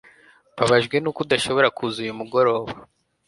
Mbabajwe nuko udashobora kuza uyu mugoroba